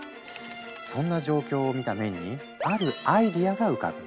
そんな状況を見たメンにあるアイデアが浮かぶ。